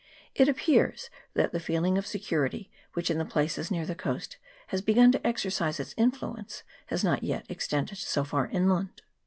It appears that the feeling of security which in the places near the coast has begun to exercise its influ ence has not yet extended so far inland.